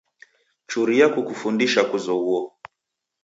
Churia kukufundisha kuzoghuo.